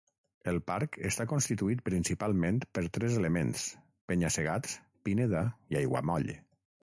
El parc està constituït principalment per tres elements: penya-segats, pineda i aiguamoll.